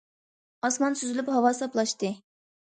ئاسمان سۈزۈلۈپ ھاۋا ساپلاشتى.